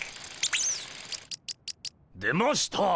出ました！